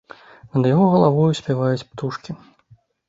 Над яго галавою спяваюць птушкі.